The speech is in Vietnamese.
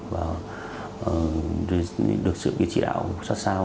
và được sự chỉ đạo sát sao